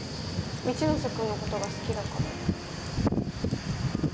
一ノ瀬君のことが好きだから